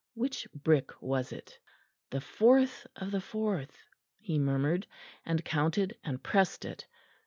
Which brick was it? "The fourth of the fourth," he murmured, and counted, and pressed it.